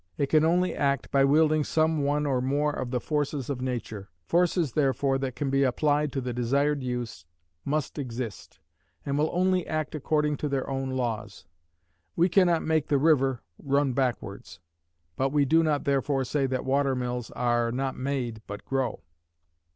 It can only act by wielding some one or more of the forces of nature. Forces, therefore, that can be applied to the desired use must exist; and will only act according to their own laws. We can not make the river run backwards; but we do not therefore say that watermills "are not made, but grow."